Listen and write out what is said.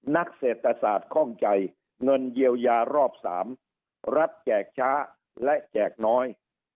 นักเศรษฐศาสตร์คล่องใจเงินเยียวยารอบ๓รัฐแจกช้าและแจกน้อย